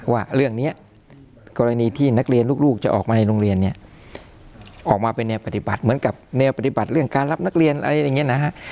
ว่าเรื่องนี้กรณีที่นักเรียนลูกจะออกมาในโรงเรียนเนี่ยออกมาเป็นแนวปฏิบัติเหมือนกับแนวปฏิบัติเรื่องการรับนักเรียนอะไรอย่างนี้นะฮะ